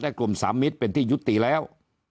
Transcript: และกลุ่มสามมิตรเป็นที่ยุติแล้ว